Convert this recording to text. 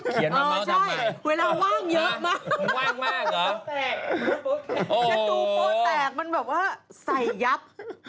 เวลาว่างเยอะมาก